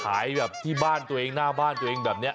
ขายแบบที่บ้านตัวเองหน้าบ้านตัวเองแบบนี้